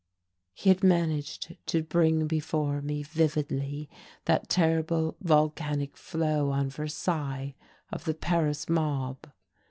He had managed to bring before me vividly that terrible, volcanic flow on Versailles of the Paris mob.